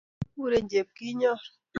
Kasaratak ko kigikuren Chepkinyor.